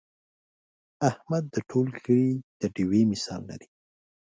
احمد د ټول کلي د ډېوې مثال لري.